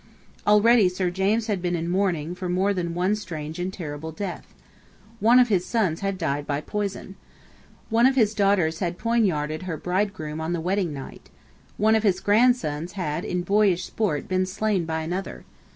Already Sir James had been in mourning for more than one strange and terrible death. One of his sons had died by poison. One of his daughters had poniarded her bridegroom on the wedding night. One of his grandsons had in boyish sport been slain by another.